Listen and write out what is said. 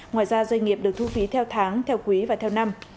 ngoài ra doanh nghiệp được thu phí theo tháng theo quý và theo năm